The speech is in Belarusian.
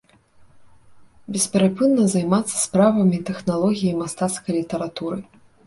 Бесперапынна займацца справамі тэхналогіі мастацкай літаратуры.